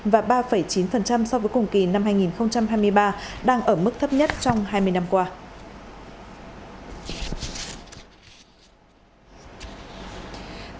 và ba chín so với cùng kỳ năm hai nghìn hai mươi ba đang ở mức thấp nhất trong hai mươi năm qua